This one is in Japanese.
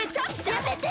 やめて！